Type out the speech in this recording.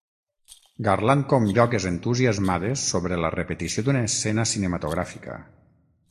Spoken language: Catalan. Garlant com lloques entusiasmades sobre la repetició d'una escena cinematogràfica.